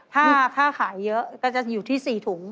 ถ้าค่าขายเยอะก็จะอยู่ที่๔ถุง